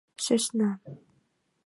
Сӧсна!..